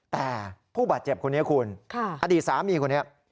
แต่ผู้บัดเจ็บคุณเนี่ยคุณอดีตสามีคุณเนี่ย